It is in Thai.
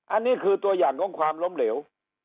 อันนี้คือตัวอย่างของความล้มเหลว